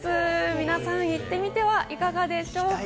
皆さん行ってみてはいかがでしょうか？